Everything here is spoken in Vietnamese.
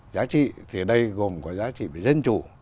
giá trị thì ở đây gồm có giá trị về dân chủ